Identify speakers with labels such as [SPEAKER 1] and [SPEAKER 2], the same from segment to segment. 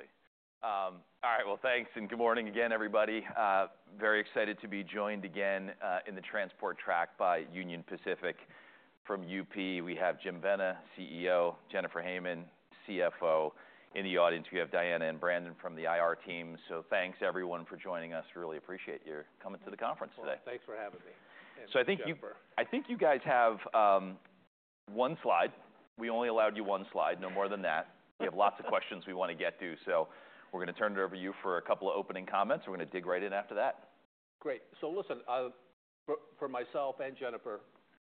[SPEAKER 1] Exactly. All right, thanks, and good morning again, everybody. Very excited to be joined again, in the transport track by Union Pacific from UP. We have Jim Vena, CEO, Jennifer Hamann, CFO. In the audience, we have Diana and Brandon from the IR team. Thanks, everyone, for joining us. Really appreciate your coming to the conference today.
[SPEAKER 2] Thanks for having me. And Jennifer.
[SPEAKER 1] I think you guys have one slide. We only allowed you one slide, no more than that. We have lots of questions we want to get to, so we're going to turn it over to you for a couple of opening comments. We're going to dig right in after that.
[SPEAKER 2] Great. Listen, for myself and Jennifer,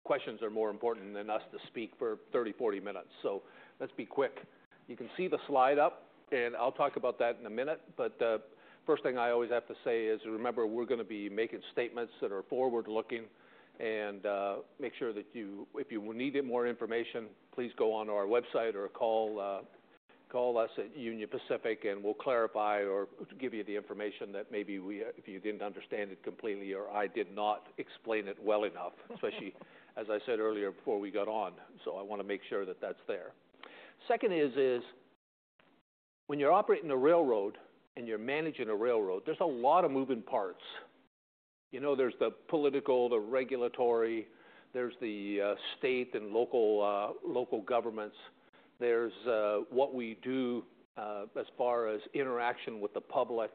[SPEAKER 2] questions are more important than us to speak for 30, 40 minutes, so let's be quick. You can see the slide up, and I'll talk about that in a minute, but the first thing I always have to say is remember we're going to be making statements that are forward-looking, and make sure that you—if you need more information, please go on our website or call us at Union Pacific, and we'll clarify or give you the information that maybe you—if you didn't understand it completely or I did not explain it well enough, especially, as I said earlier before we got on. I want to make sure that that's there. Second is, when you're operating a railroad and you're managing a railroad, there's a lot of moving parts. You know, there's the political, the regulatory, there's the state and local, local governments, there's what we do as far as interaction with the public.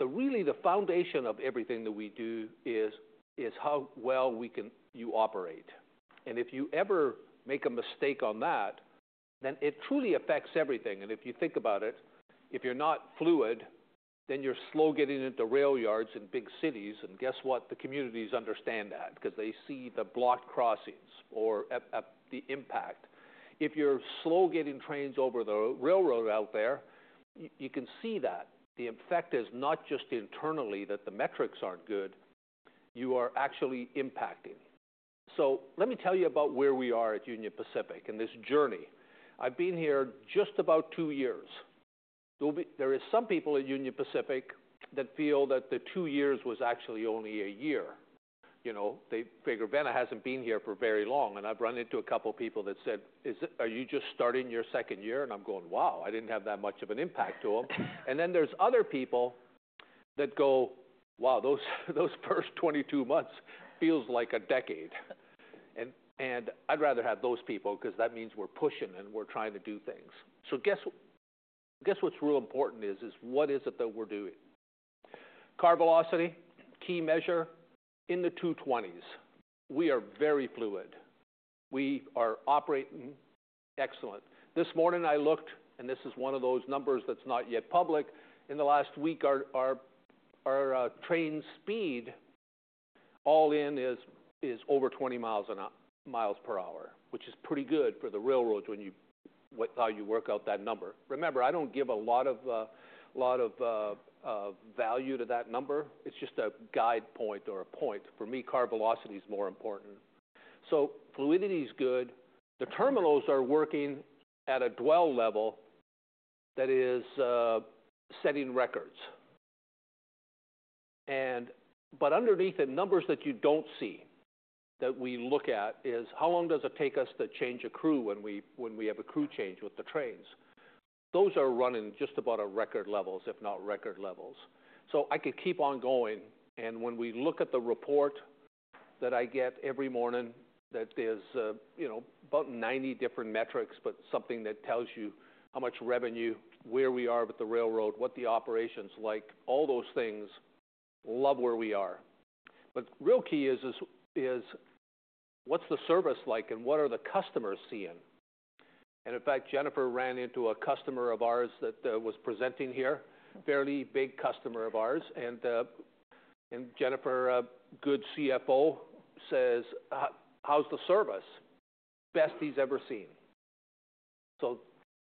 [SPEAKER 2] Really, the foundation of everything that we do is how well we can operate. If you ever make a mistake on that, then it truly affects everything. If you think about it, if you're not fluid, then you're slow getting into rail yards in big cities, and guess what? The communities understand that because they see the blocked crossings or the impact. If you're slow getting trains over the railroad out there, you can see that. The effect is not just internally that the metrics aren't good; you are actually impacting. Let me tell you about where we are at Union Pacific and this journey. I've been here just about two years. There are some people at Union Pacific that feel that the two years was actually only a year. You know, they figure, "Vena hasn't been here for very long," and I've run into a couple of people that said, "Is it—are you just starting your second year?" and I'm going, "Wow, I didn't have that much of an impact on." Then there's other people that go, "Wow, those first 22 months feels like a decade." I would rather have those people because that means we're pushing and we're trying to do things. Guess what's real important is, is what is it that we're doing? Car velocity, key measure in the 220s. We are very fluid. We are operating excellent. This morning, I looked, and this is one of those numbers that's not yet public. In the last week, our train speed all in is over 20 mi an hour, which is pretty good for the railroad when you—what—how you work out that number. Remember, I do not give a lot of—a lot of value to that number. It is just a guide point or a point. For me, car velocity is more important. Fluidity is good. The terminals are working at a dwell level that is setting records. Underneath the numbers that you do not see that we look at is how long does it take us to change a crew when we—when we have a crew change with the trains. Those are running just about at record levels, if not record levels. I could keep on going, and when we look at the report that I get every morning, there's about 90 different metrics, but something that tells you how much revenue, where we are with the railroad, what the operation's like, all those things, love where we are. Real key is, is what's the service like and what are the customers seeing? In fact, Jennifer ran into a customer of ours that was presenting here, a fairly big customer of ours, and Jennifer, good CFO, says, "How's the service? Best he's ever seen."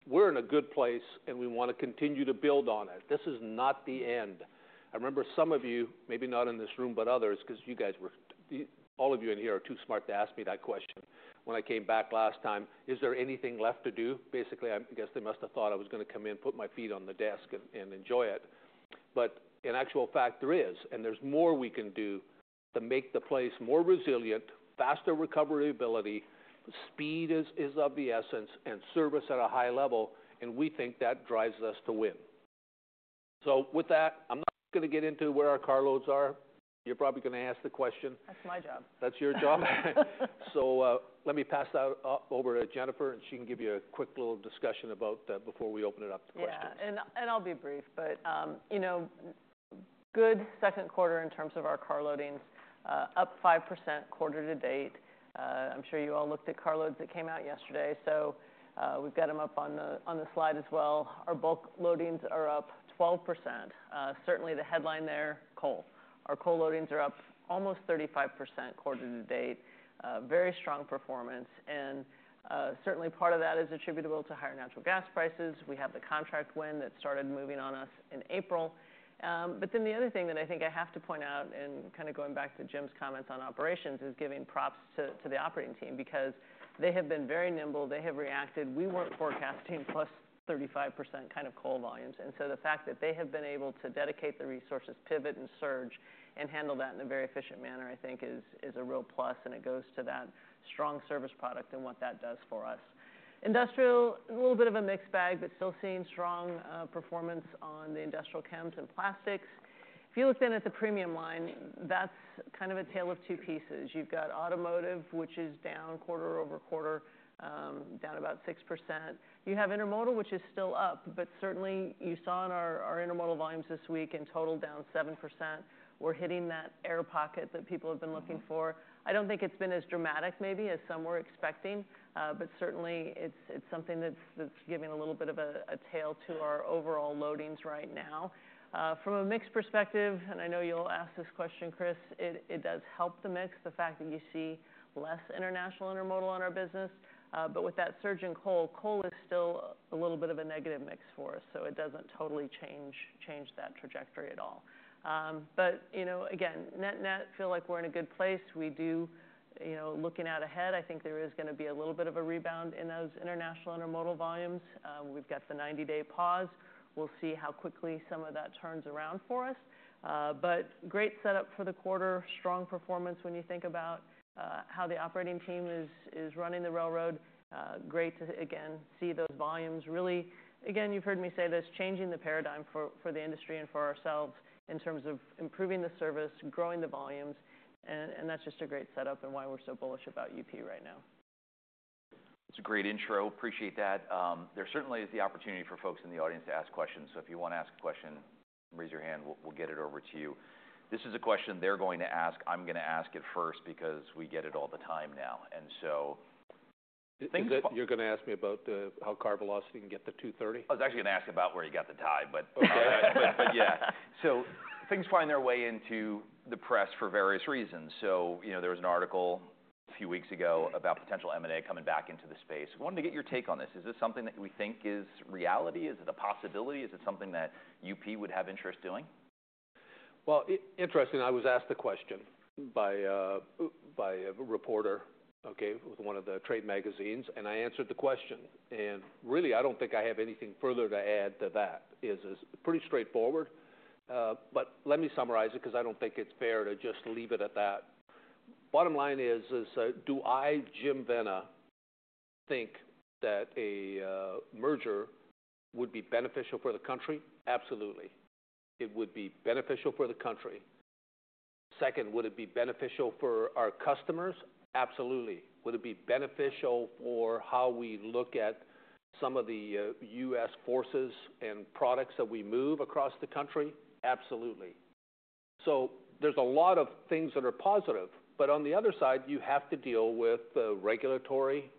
[SPEAKER 2] We're in a good place, and we want to continue to build on it. This is not the end. I remember some of you, maybe not in this room, but others, because you guys were—all of you in here are too smart to ask me that question when I came back last time, "Is there anything left to do?" Basically, I guess they must have thought I was going to come in, put my feet on the desk, and enjoy it. In actual fact, there is, and there is more we can do to make the place more resilient, faster recovery ability, speed is of the essence, and service at a high level, and we think that drives us to win. With that, I am not going to get into where our car loads are. You are probably going to ask the question.
[SPEAKER 3] That's my job.
[SPEAKER 2] That's your job. Let me pass that over to Jennifer, and she can give you a quick little discussion about that before we open it up to questions.
[SPEAKER 3] Yeah, and I'll be brief, but, you know, good 2nd quarter in terms of our car loadings, up 5% quarter to date. I'm sure you all looked at car loads that came out yesterday, so we've got them up on the slide as well. Our bulk loadings are up 12%, certainly the headline there, coal. Our coal loadings are up almost 35% quarter to date, very strong performance, and certainly part of that is attributable to higher natural gas prices. We have the contract win that started moving on us in April. The other thing that I think I have to point out, and kind of going back to Jim's comments on operations, is giving props to the operating team because they have been very nimble. They have reacted. We were not forecasting +35% kind of coal volumes, and the fact that they have been able to dedicate the resources, pivot and surge, and handle that in a very efficient manner, I think, is a real plus, and it goes to that strong service product and what that does for us. Industrial, a little bit of a mixed bag, but still seeing strong performance on the industrial chems and plastics. If you look then at the premium line, that is kind of a tale of two pieces. You have automotive, which is down quarter-over-quarter, down about 6%. You have intermodal, which is still up, but certainly you saw in our intermodal volumes this week, in total, down 7%. We are hitting that air pocket that people have been looking for. I don't think it's been as dramatic maybe as some were expecting, but certainly it's something that's giving a little bit of a tale to our overall loadings right now. From a mix perspective, and I know you'll ask this question, Chris, it does help the mix, the fact that you see less international intermodal on our business, but with that surge in coal, coal is still a little bit of a negative mix for us, so it doesn't totally change that trajectory at all. You know, again, net-net, feel like we're in a good place. We do, you know, looking out ahead, I think there is going to be a little bit of a rebound in those international intermodal volumes. We've got the 90-day pause. We'll see how quickly some of that turns around for us. Great setup for the quarter, strong performance when you think about how the operating team is running the railroad. Great to, again, see those volumes. Really, again, you've heard me say this, changing the paradigm for the industry and for ourselves in terms of improving the service, growing the volumes, and that's just a great setup and why we're so bullish about UP right now.
[SPEAKER 1] That's a great intro. Appreciate that. There certainly is the opportunity for folks in the audience to ask questions, so if you want to ask a question, raise your hand, we'll get it over to you. This is a question they're going to ask. I'm going to ask it first because we get it all the time now, and so good.
[SPEAKER 2] Things you're going to ask me about, how car velocity can get to 230?
[SPEAKER 1] I was actually going to ask about where you got the tie, but yeah. Things find their way into the press for various reasons. You know, there was an article a few weeks ago about potential M&A coming back into the space. We wanted to get your take on this. Is this something that we think is reality? Is it a possibility? Is it something that UP would have interest doing?
[SPEAKER 2] I was asked the question by a reporter, okay, with one of the trade magazines, and I answered the question. I don't think I have anything further to add to that. It's pretty straightforward, but let me summarize it because I don't think it's fair to just leave it at that. Bottom line is, do I, Jim Vena, think that a merger would be beneficial for the country? Absolutely. It would be beneficial for the country. Second, would it be beneficial for our customers? Absolutely. Would it be beneficial for how we look at some of the U.S. forces and products that we move across the country? Absolutely. There are a lot of things that are positive, but on the other side, you have to deal with the regulatory,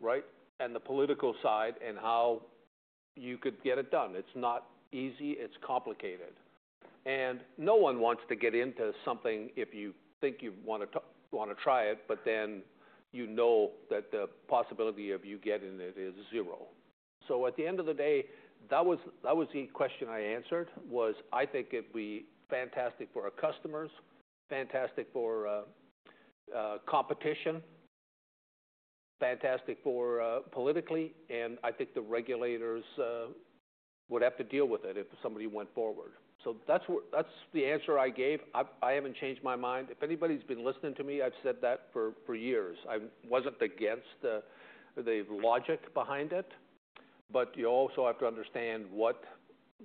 [SPEAKER 2] right, and the political side and how you could get it done. It's not easy. It's complicated. No one wants to get into something if you think you want to try it, but then you know that the possibility of you getting it is zero. At the end of the day, that was the question I answered, was I think it'd be fantastic for our customers, fantastic for competition, fantastic politically, and I think the regulators would have to deal with it if somebody went forward. That's the answer I gave. I haven't changed my mind. If anybody's been listening to me, I've said that for years. I wasn't against the logic behind it, but you also have to understand what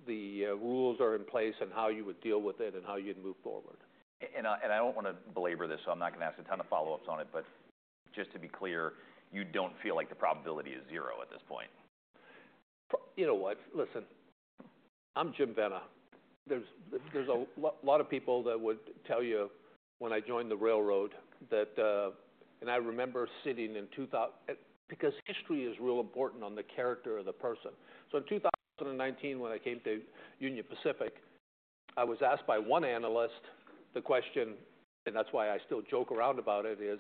[SPEAKER 2] the rules are in place and how you would deal with it and how you'd move forward.
[SPEAKER 1] I do not want to belabor this, so I am not going to ask a ton of follow-ups on it, but just to be clear, you do not feel like the probability is zero at this point?
[SPEAKER 2] You know what? Listen, I'm Jim Vena. There's a lot of people that would tell you when I joined the railroad that, and I remember sitting in 2000 because history is real important on the character of the person. In 2019, when I came to Union Pacific, I was asked by one analyst the question, and that's why I still joke around about it, is,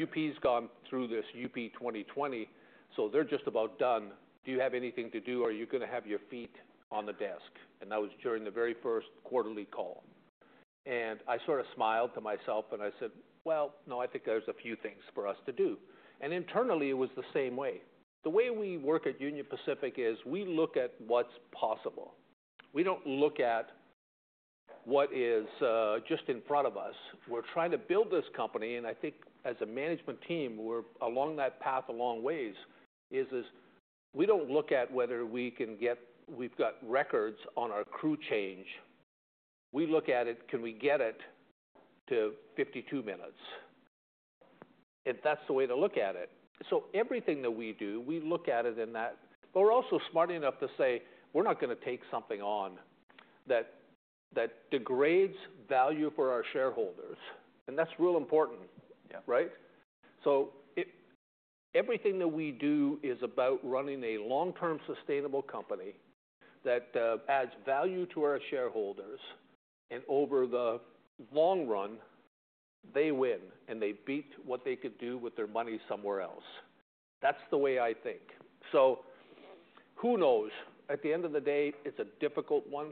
[SPEAKER 2] "UP's gone through this UP 2020, so they're just about done. Do you have anything to do, or are you going to have your feet on the desk?" That was during the very 1st quarterly call. I sort of smiled to myself and I said, "No, I think there's a few things for us to do." Internally, it was the same way. The way we work at Union Pacific is we look at what's possible. We do not look at what is just in front of us. We are trying to build this company, and I think as a management team, we are along that path a long ways. We do not look at whether we can get—we have got records on our crew change. We look at it, can we get it to 52 minutes? That is the way to look at it. Everything that we do, we look at it in that, but we are also smart enough to say, "We are not going to take something on that degrades value for our shareholders." That is real important, right? Everything that we do is about running a long-term sustainable company that adds value to our shareholders, and over the long run, they win and they beat what they could do with their money somewhere else. That is the way I think. Who knows? At the end of the day, it's a difficult one,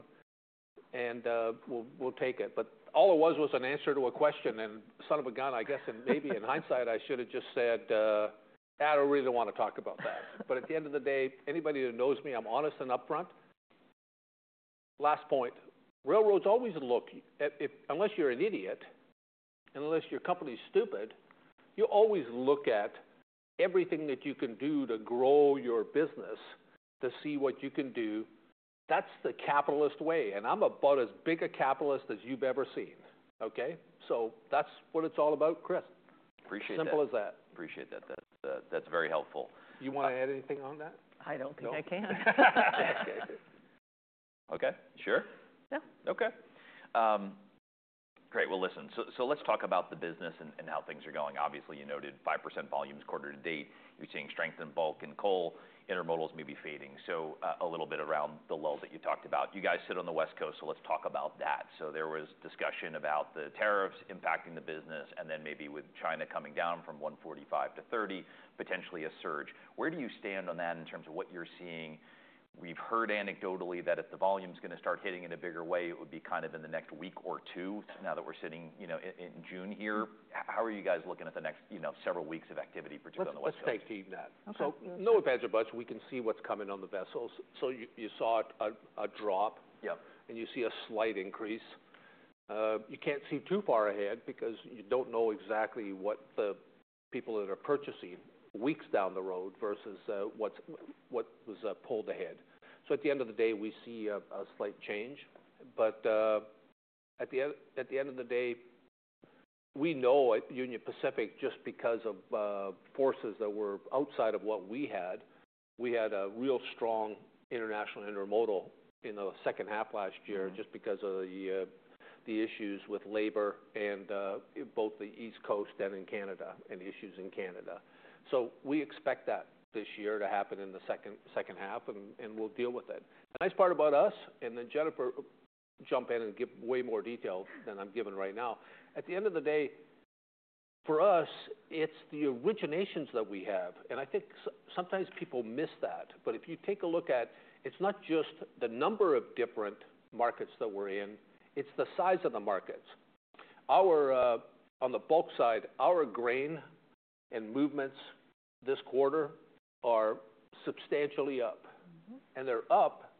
[SPEAKER 2] and we'll take it. All it was was an answer to a question, and son of a gun, I guess, and maybe in hindsight, I should have just said, I don't really want to talk about that. At the end of the day, anybody that knows me, I'm honest and upfront. Last point. Railroads always look at, unless you're an idiot and unless your company's stupid, you always look at everything that you can do to grow your business to see what you can do. That's the capitalist way, and I'm about as big a capitalist as you've ever seen, okay? That's what it's all about, Chris.
[SPEAKER 1] Appreciate that.
[SPEAKER 2] Simple as that.
[SPEAKER 1] Appreciate that. That's very helpful.
[SPEAKER 2] You want to add anything on that?
[SPEAKER 3] I don't think I can.
[SPEAKER 1] Okay. Sure.
[SPEAKER 3] Yeah.
[SPEAKER 2] Okay.
[SPEAKER 1] Great. Listen, let's talk about the business and how things are going. Obviously, you noted 5% volumes quarter to date. You're seeing strength in bulk and coal. Intermodal is maybe fading, so a little bit around the lull that you talked about. You guys sit on the West Coast, so let's talk about that. There was discussion about the tariffs impacting the business, and then maybe with China coming down from 145 to 30, potentially a surge. Where do you stand on that in terms of what you're seeing? We've heard anecdotally that if the volume's going to start hitting in a bigger way, it would be kind of in the next week or two now that we're sitting, you know, in June here. How are you guys looking at the next, you know, several weeks of activity, particularly on the West Coast?
[SPEAKER 2] Let's take team that. No advanced advice. We can see what's coming on the vessels. You saw a drop, and you see a slight increase. You can't see too far ahead because you don't know exactly what the people that are purchasing weeks down the road versus what was pulled ahead. At the end of the day, we see a slight change, but at the end of the day, we know Union Pacific just because of forces that were outside of what we had. We had a real strong international intermodal in the second half last year just because of the issues with labor and both the East Coast and in Canada and issues in Canada. We expect that this year to happen in the second half, and we'll deal with it. The nice part about us, and then Jennifer will jump in and give way more detail than I'm giving right now. At the end of the day, for us, it's the originations that we have, and I think sometimes people miss that, but if you take a look at, it's not just the number of different markets that we're in, it's the size of the markets. On the bulk side, our grain and movements this quarter are substantially up, and they're up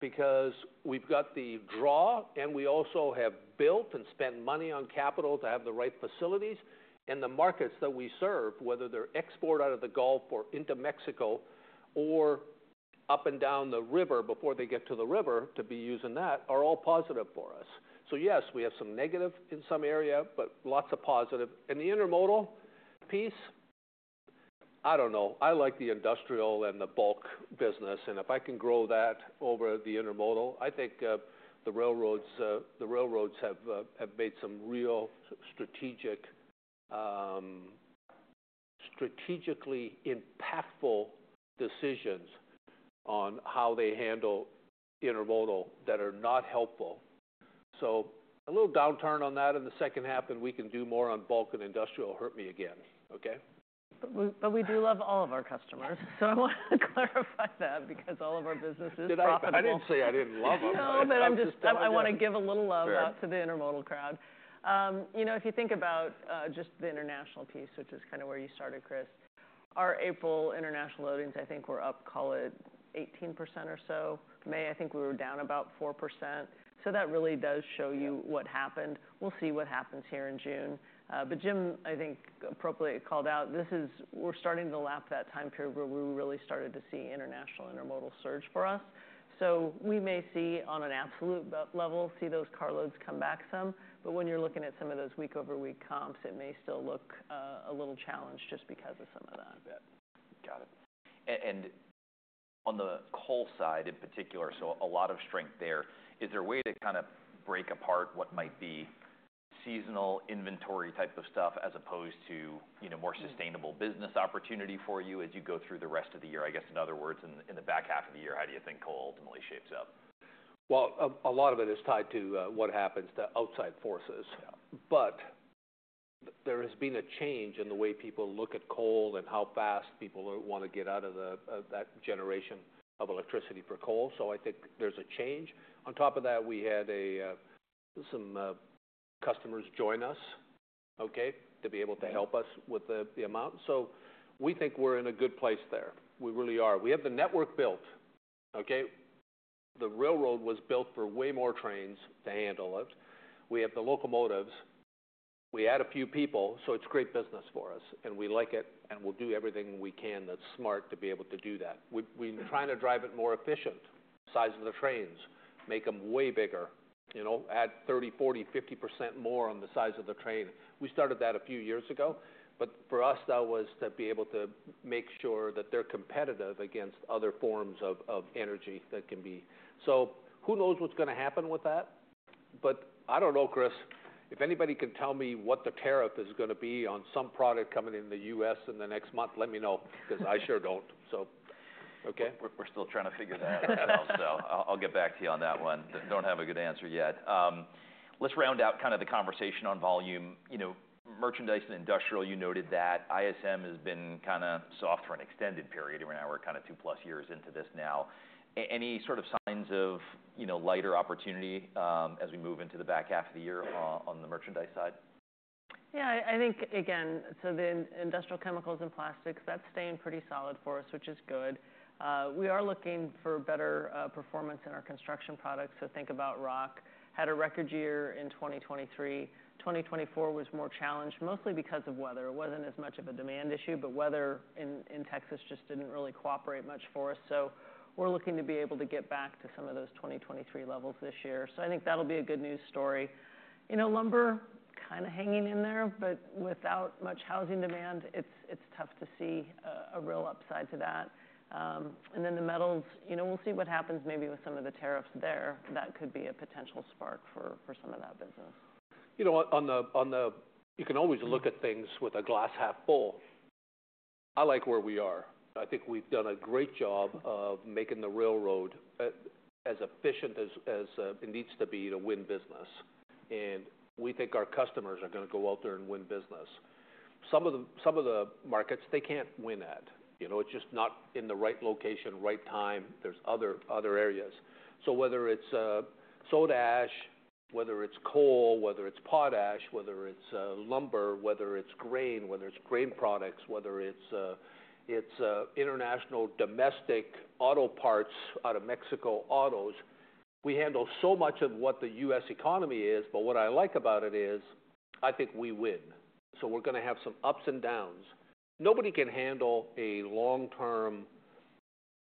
[SPEAKER 2] because we've got the draw, and we also have built and spent money on capital to have the right facilities, and the markets that we serve, whether they're export out of the Gulf or into Mexico or up and down the river before they get to the river to be using that, are all positive for us. Yes, we have some negative in some area, but lots of positive. The intermodal piece, I do not know. I like the industrial and the bulk business, and if I can grow that over the intermodal, I think the railroads have made some real strategically impactful decisions on how they handle intermodal that are not helpful. A little downturn on that in the second half, and we can do more on bulk and industrial. Hurt me again, okay?
[SPEAKER 3] We do love all of our customers, so I want to clarify that because all of our businesses are operating.
[SPEAKER 2] I didn't say I didn't love them.
[SPEAKER 3] No, but I want to give a little love out to the intermodal crowd. You know, if you think about just the international piece, which is kind of where you started, Chris, our April international loadings, I think were up, call it 18% or so. May, I think we were down about 4%. That really does show you what happened. We'll see what happens here in June. Jim, I think appropriately called out, this is we're starting to lap that time period where we really started to see international intermodal surge for us. We may see on an absolute level, see those car loads come back some, but when you're looking at some of those week-over-week comps, it may still look a little challenged just because of some of that.
[SPEAKER 1] Got it. On the coal side in particular, a lot of strength there, is there a way to kind of break apart what might be seasonal inventory type of stuff as opposed to, you know, more sustainable business opportunity for you as you go through the rest of the year? I guess in other words, in the back half of the year, how do you think coal ultimately shapes up?
[SPEAKER 2] A lot of it is tied to what happens to outside forces, but there has been a change in the way people look at coal and how fast people want to get out of that generation of electricity for coal. I think there's a change. On top of that, we had some customers join us, okay, to be able to help us with the amount. We think we're in a good place there. We really are. We have the network built, okay? The railroad was built for way more trains to handle it. We have the locomotives. We add a few people, so it's great business for us, and we like it, and we'll do everything we can that's smart to be able to do that. We're trying to drive it more efficient. Size of the trains, make them way bigger, you know, add 30-40-50% more on the size of the train. We started that a few years ago, but for us, that was to be able to make sure that they're competitive against other forms of energy that can be. Who knows what's going to happen with that? I don't know, Chris. If anybody can tell me what the tariff is going to be on some product coming in the U.S. in the next month, let me know because I sure don't, so.
[SPEAKER 1] We're still trying to figure that out, so I'll get back to you on that one. Don't have a good answer yet. Let's round out kind of the conversation on volume. You know, merchandise and industrial, you noted that. ISM has been kind of soft for an extended period. We're now kind of two-plus years into this now. Any sort of signs of, you know, lighter opportunity as we move into the back half of the year on the merchandise side?
[SPEAKER 3] Yeah, I think, again, so the industrial chemicals and plastics, that's staying pretty solid for us, which is good. We are looking for better performance in our construction products, so think about rock. Had a record year in 2023. 2024 was more challenged, mostly because of weather. It was not as much of a demand issue, but weather in Texas just did not really cooperate much for us. We are looking to be able to get back to some of those 2023 levels this year. I think that will be a good news story. You know, lumber kind of hanging in there, but without much housing demand, it is tough to see a real upside to that. And then the metals, you know, we will see what happens maybe with some of the tariffs there. That could be a potential spark for some of that business.
[SPEAKER 2] You know, on the. You can always look at things with a glass half full. I like where we are. I think we've done a great job of making the railroad as efficient as it needs to be to win business, and we think our customers are going to go out there and win business. Some of the markets, they can't win at. You know, it's just not in the right location, right time. There's other areas. Whether it's soda ash, whether it's coal, whether it's potash, whether it's lumber, whether it's grain, whether it's grain products, whether it's international domestic auto parts out of Mexico autos, we handle so much of what the U.S. economy is, but what I like about it is I think we win. We're going to have some ups and downs. Nobody can handle a long-term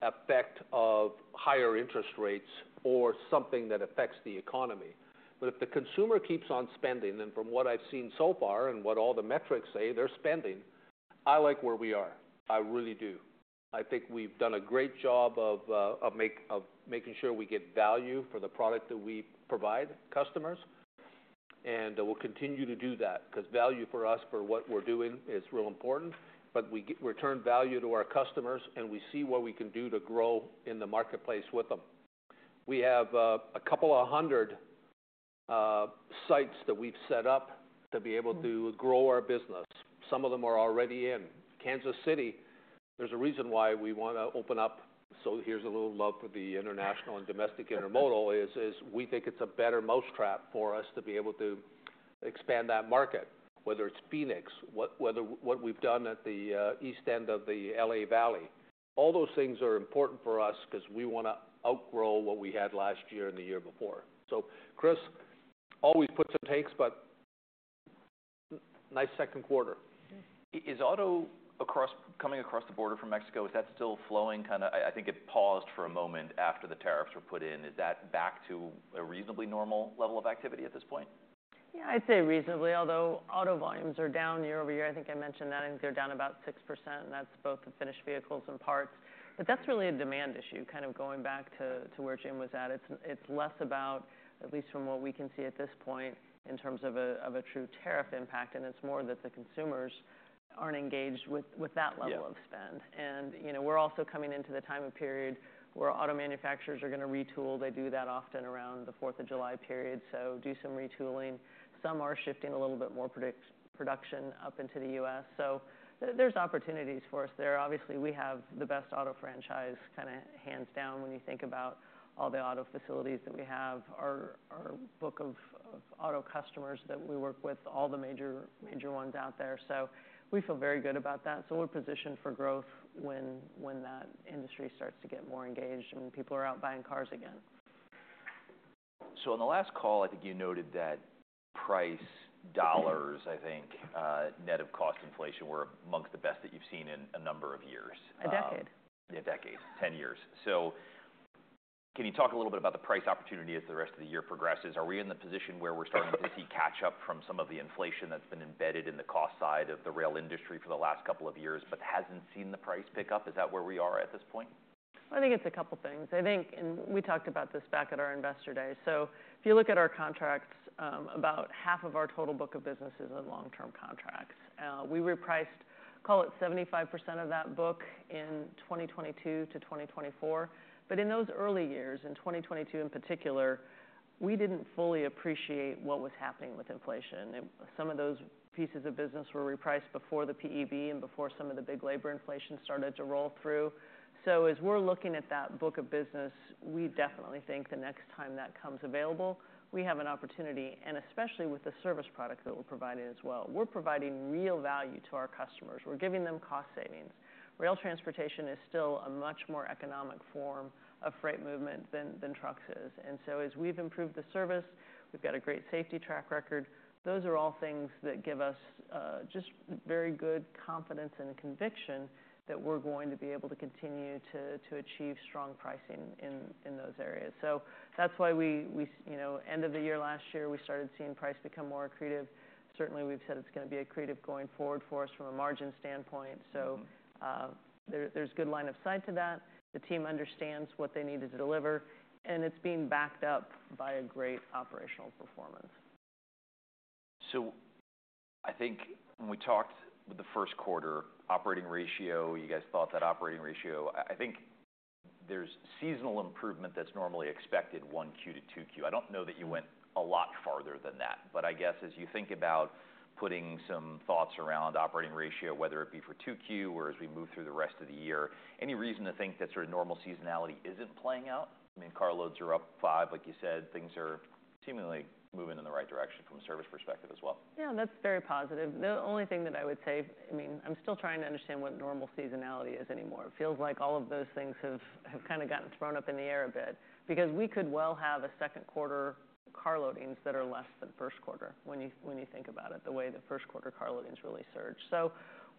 [SPEAKER 2] effect of higher interest rates or something that affects the economy. If the consumer keeps on spending, and from what I've seen so far and what all the metrics say, they're spending, I like where we are. I really do. I think we've done a great job of making sure we get value for the product that we provide customers, and we'll continue to do that because value for us for what we're doing is real important, but we return value to our customers, and we see what we can do to grow in the marketplace with them. We have a couple of hundred sites that we've set up to be able to grow our business. Some of them are already in Kansas City. There's a reason why we want to open up. Here's a little love for the international and domestic intermodal as we think it's a better mousetrap for us to be able to expand that market, whether it's Phoenix, what we've done at the east end of the L.A. Valley. All those things are important for us because we want to outgrow what we had last year and the year before. Chris, always put some tanks, but nice 2nd quarter.
[SPEAKER 1] Is auto coming across the border from Mexico, is that still flowing? Kind of, I think it paused for a moment after the tariffs were put in. Is that back to a reasonably normal level of activity at this point?
[SPEAKER 3] Yeah, I'd say reasonably, although auto volumes are down year-over-year. I think I mentioned that. I think they're down about 6%, and that's both the finished vehicles and parts. That's really a demand issue, kind of going back to where Jim was at. It's less about, at least from what we can see at this point, in terms of a true tariff impact, and it's more that the consumers aren't engaged with that level of spend. You know, we're also coming into the time of period where auto manufacturers are going to retool. They do that often around the 4th of July period, do some retooling. Some are shifting a little bit more production up into the U.S. There's opportunities for us there. Obviously, we have the best auto franchise kind of hands down when you think about all the auto facilities that we have, our book of auto customers that we work with, all the major ones out there. We feel very good about that. We are positioned for growth when that industry starts to get more engaged and when people are out buying cars again.
[SPEAKER 1] On the last call, I think you noted that price dollars, I think, net of cost inflation, were amongst the best that you've seen in a number of years.
[SPEAKER 3] A decade.
[SPEAKER 1] Yeah, a decade, 10 years. Can you talk a little bit about the price opportunity as the rest of the year progresses? Are we in the position where we're starting to see catch-up from some of the inflation that's been embedded in the cost side of the rail industry for the last couple of years but hasn't seen the price pick up? Is that where we are at this point?
[SPEAKER 3] I think it's a couple of things. I think, and we talked about this back at our investor day, if you look at our contracts, about half of our total book of business is in long-term contracts. We repriced, call it 75% of that book in 2022-2024. In those early years, in 2022 in particular, we did not fully appreciate what was happening with inflation. Some of those pieces of business were repriced before the PEB and before some of the big labor inflation started to roll through. As we are looking at that book of business, we definitely think the next time that comes available, we have an opportunity, especially with the service product that we are providing as well. We are providing real value to our customers. We are giving them cost savings. Rail transportation is still a much more economic form of freight movement than trucks is. As we've improved the service, we've got a great safety track record. Those are all things that give us just very good confidence and conviction that we're going to be able to continue to achieve strong pricing in those areas. That's why we, you know, end of the year last year, we started seeing price become more accretive. Certainly, we've said it's going to be accretive going forward for us from a margin standpoint. There's good line of sight to that. The team understands what they need to deliver, and it's being backed up by a great operational performance.
[SPEAKER 1] I think when we talked with the 1st quarter operating ratio, you guys thought that operating ratio, I think there is seasonal improvement that is normally expected 1Q-2Q. I do not know that you went a lot farther than that, but I guess as you think about putting some thoughts around operating ratio, whether it be for 2Q or as we move through the rest of the year, any reason to think that sort of normal seasonality is not playing out? I mean, car loads are up 5%, like you said, things are seemingly moving in the right direction from a service perspective as well.
[SPEAKER 3] Yeah, that's very positive. The only thing that I would say, I mean, I'm still trying to understand what normal seasonality is anymore. It feels like all of those things have kind of gotten thrown up in the air a bit because we could well have a 2nd quarter car loadings that are less than 1st quarter when you think about it, the way the 1st quarter car loadings really surge.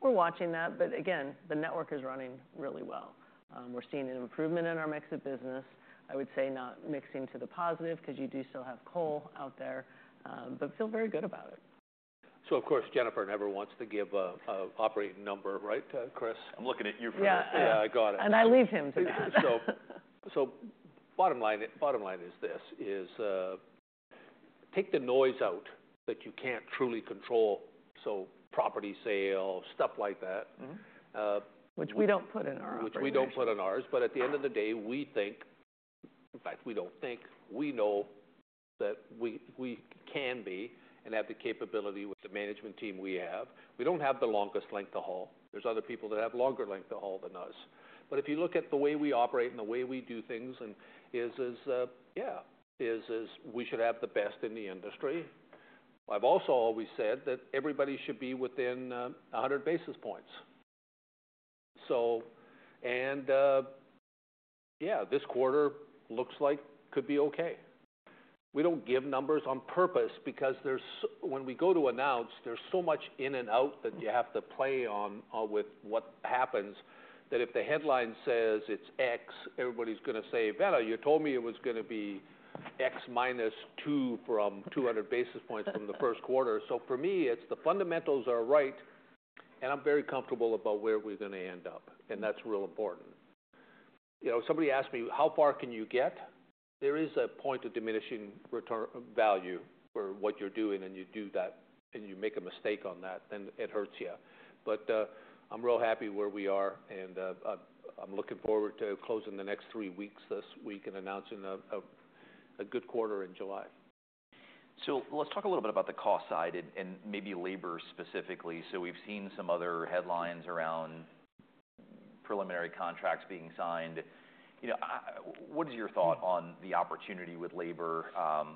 [SPEAKER 3] We are watching that, but again, the network is running really well. We are seeing an improvement in our mix of business. I would say not mixing to the positive because you do still have coal out there, but feel very good about it.
[SPEAKER 2] Of course, Jennifer never wants to give an operating number, right, Chris?
[SPEAKER 1] I'm looking at you for that.
[SPEAKER 2] Yeah, I got it.
[SPEAKER 3] I leave him to do that.
[SPEAKER 2] Bottom line is this: take the noise out that you can't truly control, so property sale, stuff like that.
[SPEAKER 3] Which we don't put in our operating budget.
[SPEAKER 2] Which we don't put in ours, but at the end of the day, we think, in fact, we don't think, we know that we can be and have the capability with the management team we have. We don't have the longest length of haul. There are other people that have longer length of haul than us. If you look at the way we operate and the way we do things, yeah, we should have the best in the industry. I've also always said that everybody should be within 100 basis points. This quarter looks like it could be okay. We do not give numbers on purpose because when we go to announce, there is so much in and out that you have to play on with what happens that if the headline says it is X, everybody is going to say, "Vena, you told me it was going to be X minus two from 200 basis points from the 1st quarter." For me, the fundamentals are right, and I am very comfortable about where we are going to end up, and that is real important. You know, somebody asked me, "How far can you get?" There is a point of diminishing value for what you are doing, and you do that, and you make a mistake on that, then it hurts you. I am real happy where we are, and I am looking forward to closing the next three weeks this week and announcing a good quarter in July.
[SPEAKER 1] Let's talk a little bit about the cost side and maybe labor specifically. We've seen some other headlines around preliminary contracts being signed. You know, what is your thought on the opportunity with labor?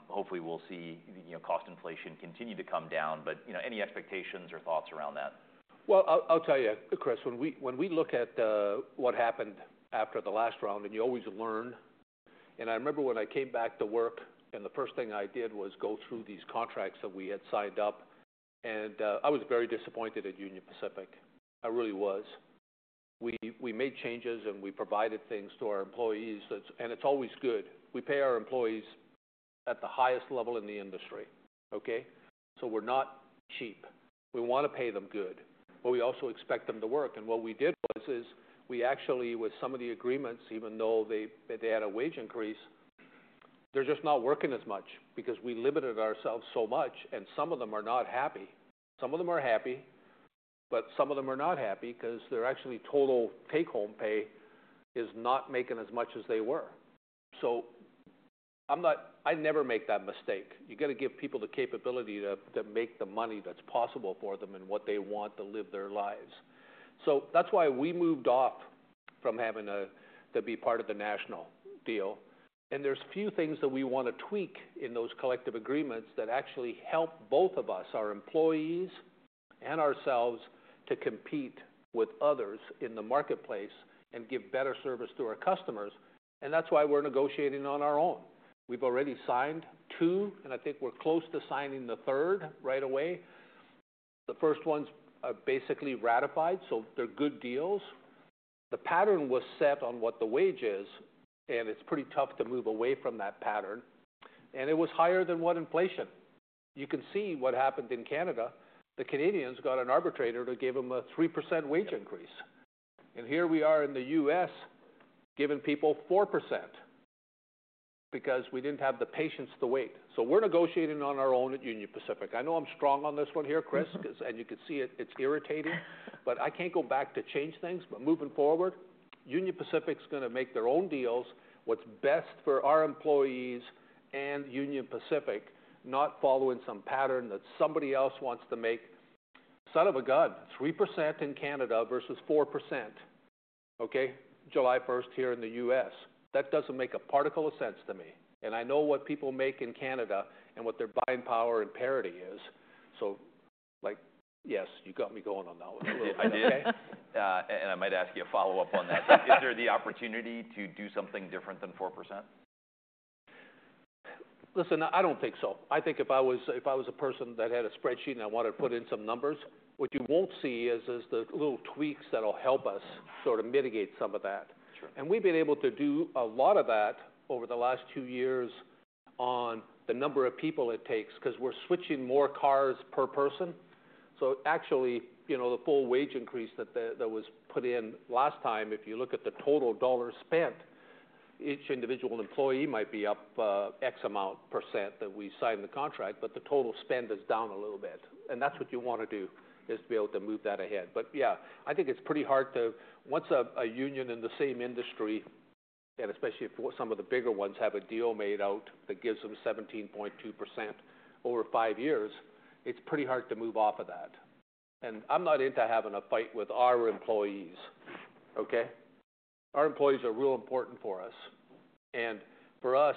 [SPEAKER 1] Hopefully, we'll see cost inflation continue to come down, but you know, any expectations or thoughts around that?
[SPEAKER 2] I will tell you, Chris, when we look at what happened after the last round, and you always learn. I remember when I came back to work, and the first thing I did was go through these contracts that we had signed up, and I was very disappointed at Union Pacific. I really was. We made changes, and we provided things to our employees, and it is always good. We pay our employees at the highest level in the industry, okay? We are not cheap. We want to pay them good, but we also expect them to work. What we did was we actually, with some of the agreements, even though they had a wage increase, they are just not working as much because we limited ourselves so much, and some of them are not happy. Some of them are happy, but some of them are not happy because their actual total take-home pay is not making as much as they were. I never make that mistake. You got to give people the capability to make the money that's possible for them and what they want to live their lives. That is why we moved off from having to be part of the national deal. There are a few things that we want to tweak in those collective agreements that actually help both of us, our employees and ourselves, to compete with others in the marketplace and give better service to our customers. That is why we are negotiating on our own. We have already signed two, and I think we are close to signing the third right away. The first one is basically ratified, so they are good deals. The pattern was set on what the wage is, and it's pretty tough to move away from that pattern. It was higher than what inflation. You can see what happened in Canada. The Canadians got an arbitrator to give them a 3% wage increase. Here we are in the U.S. giving people 4% because we didn't have the patience to wait. We're negotiating on our own at Union Pacific. I know I'm strong on this one here, Chris, and you can see it's irritating, but I can't go back to change things. Moving forward, Union Pacific's going to make their own deals, what's best for our employees and Union Pacific, not following some pattern that somebody else wants to make. Son of a gun, 3% in Canada versus 4%, okay, July 1st here in the U.S. That doesn't make a particle of sense to me. I know what people make in Canada and what their buying power and parity is. Like, yes, you got me going on that one.
[SPEAKER 1] I might ask you a follow-up on that. Is there the opportunity to do something different than 4%?
[SPEAKER 2] Listen, I do not think so. I think if I was a person that had a spreadsheet and I wanted to put in some numbers, what you will not see is the little tweaks that will help us sort of mitigate some of that. We have been able to do a lot of that over the last two years on the number of people it takes because we are switching more cars per person. Actually, you know, the full wage increase that was put in last time, if you look at the total dollars spent, each individual employee might be up X amount % that we signed the contract, but the total spend is down a little bit. That is what you want to do, to be able to move that ahead. Yeah, I think it's pretty hard to, once a union in the same industry, and especially if some of the bigger ones have a deal made out that gives them 17.2% over five years, it's pretty hard to move off of that. I'm not into having a fight with our employees, okay? Our employees are real important for us. For us,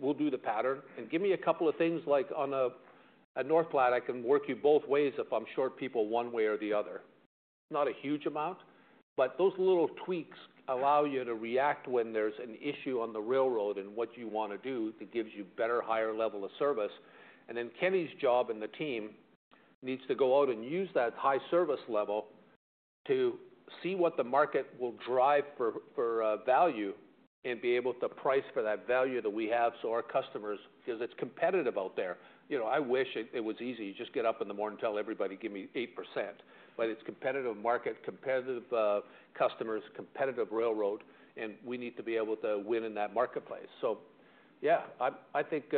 [SPEAKER 2] we'll do the pattern. Give me a couple of things like on a North Platte, I can work you both ways if I'm short people one way or the other. Not a huge amount, but those little tweaks allow you to react when there's an issue on the railroad and what you want to do that gives you better, higher level of service. Kenny's job and the team needs to go out and use that high service level to see what the market will drive for value and be able to price for that value that we have so our customers, because it's competitive out there. You know, I wish it was easy. You just get up in the morning and tell everybody, "Give me 8%." It is a competitive market, competitive customers, competitive railroad, and we need to be able to win in that marketplace. Yeah, I think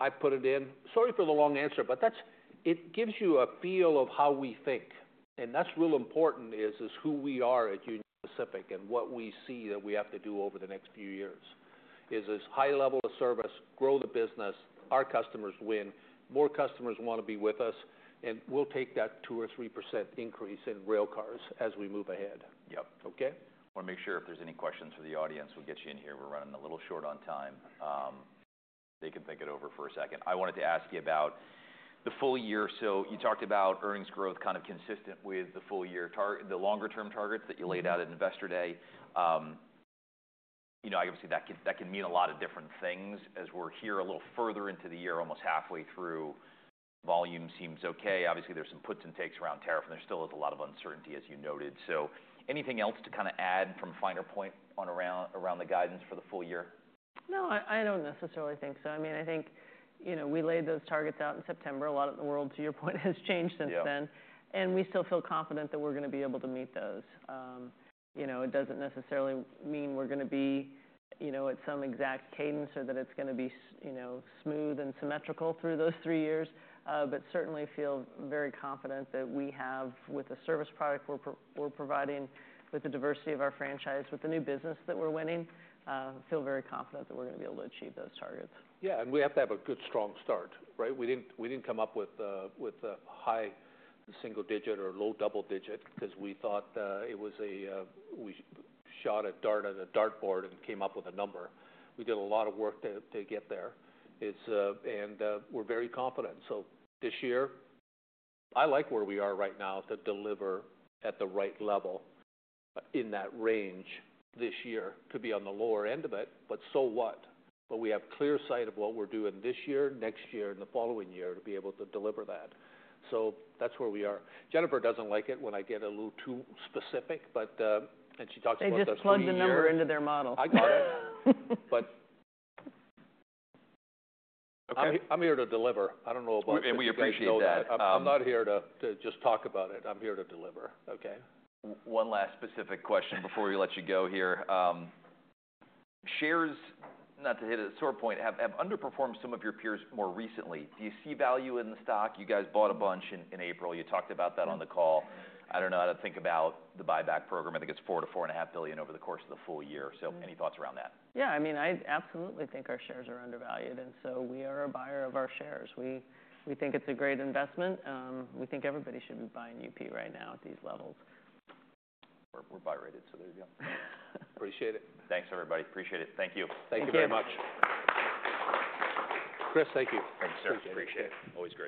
[SPEAKER 2] I put it in. Sorry for the long answer, but it gives you a feel of how we think. That is real important, who we are at Union Pacific and what we see that we have to do over the next few years. It's high level of service, grow the business, our customers win, more customers want to be with us, and we'll take that 2-3% increase in rail cars as we move ahead.
[SPEAKER 1] Yep. Okay? I want to make sure if there's any questions for the audience, we'll get you in here. We're running a little short on time. They can think it over for a second. I wanted to ask you about the full year. You talked about earnings growth kind of consistent with the full year, the longer-term targets that you laid out at investor day. You know, obviously that can mean a lot of different things as we're here a little further into the year, almost halfway through. Volume seems okay. Obviously, there's some puts and takes around tariff, and there still is a lot of uncertainty, as you noted. Anything else to kind of add from finer point on around the guidance for the full year?
[SPEAKER 3] No, I do not necessarily think so. I mean, I think, you know, we laid those targets out in September. A lot of the world, to your point, has changed since then. And we still feel confident that we are going to be able to meet those. You know, it does not necessarily mean we are going to be, you know, at some exact cadence or that it is going to be, you know, smooth and symmetrical through those three years, but certainly feel very confident that we have, with the service product we are providing with the diversity of our franchise, with the new business that we are winning, feel very confident that we are going to be able to achieve those targets.
[SPEAKER 2] Yeah, and we have to have a good strong start, right? We did not come up with a high single-digit or low double digit because we thought it was a, we shot a dart at a dartboard and came up with a number. We did a lot of work to get there. And we are very confident. This year, I like where we are right now to deliver at the right level in that range. This year could be on the lower end of it, but so what? We have clear sight of what we are doing this year, next year, and the following year to be able to deliver that. That is where we are. Jennifer does not like it when I get a little too specific, but, and she talks about the system.
[SPEAKER 3] They just plug the number into their model.
[SPEAKER 2] I got it. I am here to deliver. I do not know about your business.
[SPEAKER 1] We appreciate that.
[SPEAKER 2] I'm not here to just talk about it. I'm here to deliver, okay?
[SPEAKER 1] One last specific question before we let you go here. Shares, not to hit a sore point, have underperformed some of your peers more recently. Do you see value in the stock? You guys bought a bunch in April. You talked about that on the call. I do not know how to think about the buyback program. I think it is $4 billion-$4.5 billion over the course of the full year. Any thoughts around that?
[SPEAKER 3] Yeah, I mean, I absolutely think our shares are undervalued, and so we are a buyer of our shares. We think it's a great investment. We think everybody should be buying UP right now at these levels.
[SPEAKER 1] We're buy rated, so there you go.
[SPEAKER 2] Appreciate it.
[SPEAKER 1] Thanks, everybody. Appreciate it. Thank you. Thank you very much.
[SPEAKER 2] Chris, thank you.
[SPEAKER 1] Thanks, sir. Appreciate it. Always good.